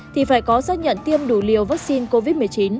thì phải có xác nhận tiêm đủ liều vaccine covid một mươi chín